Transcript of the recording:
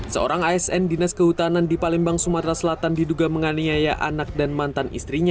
seorang asn dinas kehutanan di palembang sumatera selatan diduga menganiaya anak dan mantan istrinya